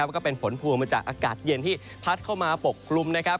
ก็เป็นผลพวงมาจากอากาศเย็นที่พัดเข้ามาปกคลุมนะครับ